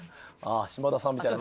島田さんみたいな。